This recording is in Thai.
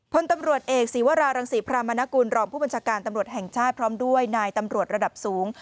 พลตำรวจเอกศีวรารังศรีพรามนกุลรองผู้บัญชาการตำรวจแห่งชาติพร้อมด้วยนายตำรวจระดับสูง